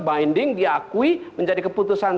binding diakui menjadi keputusan